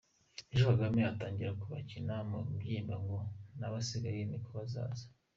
Ejo Kagame atangire kubakina ku mubyimba ngo n’abasigaye ni uko bazaza!